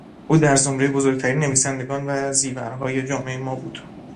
او در زمرهی بزرگترین نویسندگان و زیورهای جامعهی ما بود.